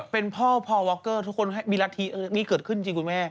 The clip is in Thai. เป็นพ่อพอวอคเกอร์ทุกคนให้มีรัฐธินี่เกิดขึ้นจริงคุณแม่